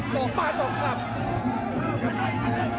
สองปลาสองกลับ